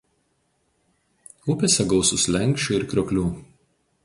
Upėse gausu slenksčių ir krioklių.